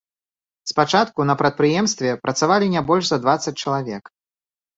Спачатку на прадпрыемстве працавалі не больш за дваццаць чалавек.